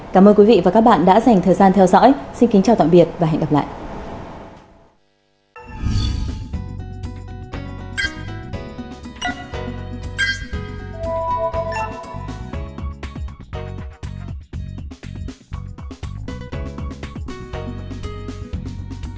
cảm ơn các bạn đã theo dõi và hẹn gặp lại